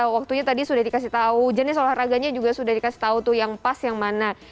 waktunya tadi sudah dikasih tahu jenis olahraganya juga sudah dikasih tahu tuh yang pas yang mana